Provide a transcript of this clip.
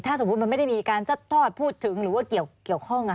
ถ้าสมมุติมันไม่ได้มีการซัดทอดพูดถึงหรือว่าเกี่ยวข้อง